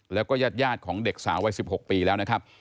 แล้วก็ญาติของเด็กสาววัย๑๖ปีแล้วนะครับ